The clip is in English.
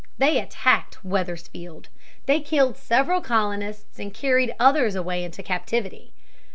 They attacked Wethersfield. They killed several colonists, and carried others away into captivity.